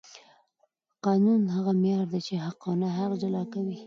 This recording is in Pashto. قانون هغه معیار دی چې حق او ناحق جلا کوي